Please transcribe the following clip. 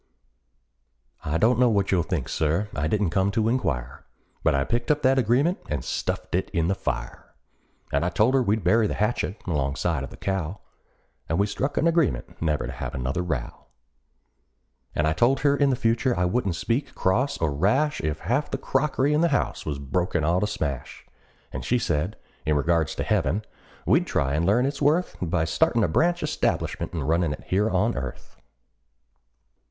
"AND KISSED ME FOR THE FIRST TIME IN OVER TWENTY YEARS!" I don't know what you'll think, Sir I didn't come to inquire But I picked up that agreement and stuffed it in the fire; And I told her we'd bury the hatchet alongside of the cow; And we struck an agreement never to have another row. And I told her in the future I wouldn't speak cross or rash If half the crockery in the house was broken all to smash; And she said, in regards to heaven, we'd try and learn its worth By startin' a branch establishment and runnin' it here on earth.